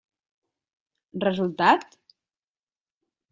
Resultat?